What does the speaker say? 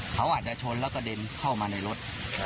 เขาอาจจะชนแล้วกระเด็นเข้ามาในรถ